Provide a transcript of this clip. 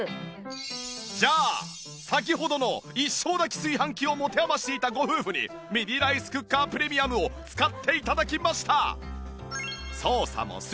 じゃあ先ほどの一升炊き炊飯器を持て余していたご夫婦にミニライスクッカープレミアムを使って頂きました！